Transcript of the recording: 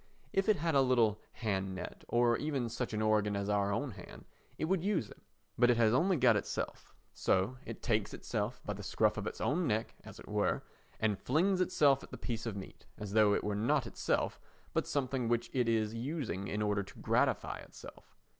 If it had a little hand net, or even such an organ as our own hand, it would use it, but it has only got itself; so it takes itself by the scruff of its own neck, as it were, and flings itself at the piece of meat, as though it were not itself but something which it is using in order to gratify itself.